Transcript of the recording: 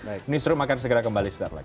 ministrum akan segera kembali setelah ini